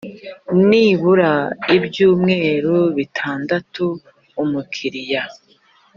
nibura ibyumweru bitandatu umukiriya